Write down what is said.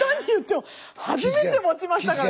初めて持ちましたから。